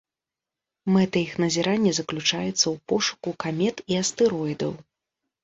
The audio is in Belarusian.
Мэта іх назірання заключаецца ў пошуку камет і астэроідаў.